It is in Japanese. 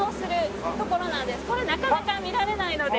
これなかなか見られないので。